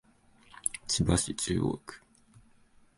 千葉市中央区